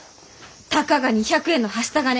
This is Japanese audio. たかが２００円のはした金